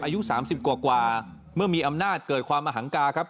อายุ๓๐กว่าเมื่อมีอำนาจเกิดความอหังกาครับ